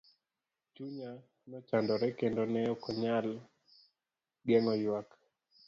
Chunya nochandore kendo ne okanyal geng'o ywak.